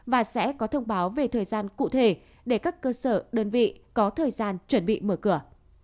và sẽ có thông báo về thời gian cụ thể để các cơ sở đơn vị có thời gian chuẩn bị mở cửa